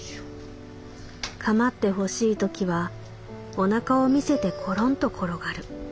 かまってほしいときはおなかを見せてころんと転がる。